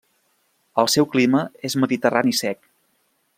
El seu clima és mediterrani sec.